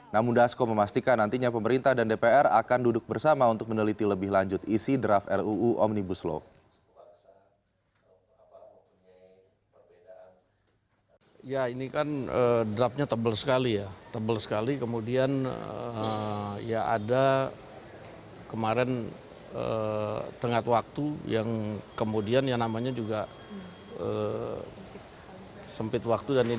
namun dasko memastikan nantinya pemerintah dan dpr akan duduk bersama untuk meneliti lebih lanjut isi draft ruu omnibus law